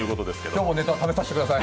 今日もネタ、試させてください。